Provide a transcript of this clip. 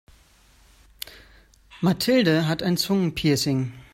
Mathilde hat ein Zungenpiercing.